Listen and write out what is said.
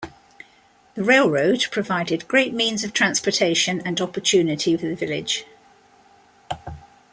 The railroad provided great means of transportation and opportunity for the village.